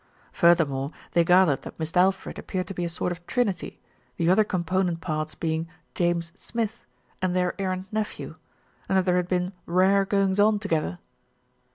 Furthermore they gathered that Mist' Alfred appeared to be a sort of trinity, the other component parts being "James Smith," and their errant nephew, and that there had been "rare goings on together."